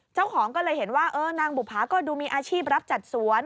เจ้าของก็เลยเห็นว่าเออนางบุภาก็ดูมีอาชีพรับจัดสวน